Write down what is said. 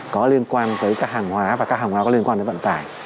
có liên quan tới các hàng hóa và các hàng hóa có liên quan đến vận tải